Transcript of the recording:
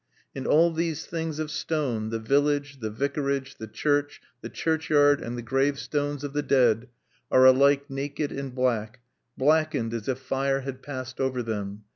And all these things of stone, the village, the Vicarage, the church, the churchyard and the gravestones of the dead are alike naked and black, blackened as if fire had passed over them.